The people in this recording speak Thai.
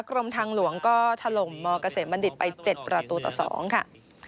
กรมทางหลวงก็ทะลมมเกษตรบัณฑิตใอย่เจ็ดฤรารตัวของสองค่ะ